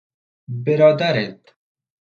برادرت